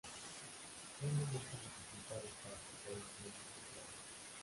Tiene muchas dificultades para crecer en climas templados.